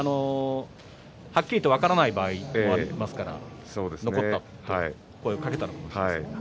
はっきりと分からない場合もありますから残ったと声をかけたのかもしれません。